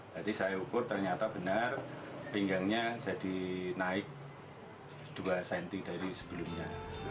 jadi saya ukur ternyata benar pinggangnya jadi naik dua cm dari sebelumnya